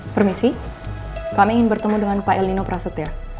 permisi kami ingin bertemu dengan pak el nino prasetya